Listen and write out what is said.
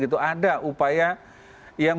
itu ada upaya yang